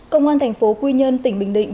công an thành phố quy nhơn tỉnh bình định